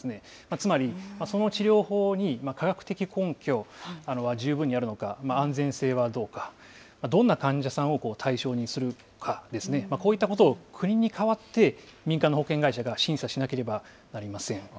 つまり、その治療法に科学的根拠、十分にあるのか、安全性はどうか、どんな患者さんを対象にするかですね、こういったことを国に代わって民間の保険会社が審査しなければなりません。